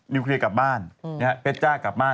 เคลียร์กลับบ้านเพชรจ้ากลับบ้าน